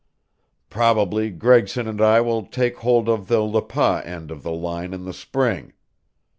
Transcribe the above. Probably Gregson and I will take hold of the Le Pas end of the line in the spring.